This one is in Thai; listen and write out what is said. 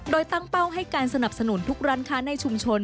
โดยตั้งเป้าให้การสนับสนุนทุกร้านค้าในชุมชน